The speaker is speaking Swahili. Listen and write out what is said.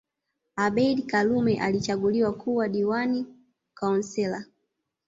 Abeid Karume alichaguliwa kuwa diwani Councillor